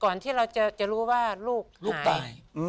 ที่เราจะรู้ว่าลูกตาย